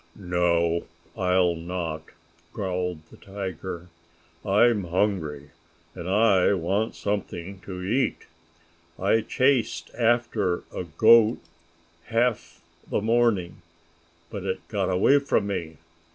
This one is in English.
"No. I'll not!" growled the tiger. "I'm hungry and I want something to eat. I chased after a goat half the morning, but it got away from me.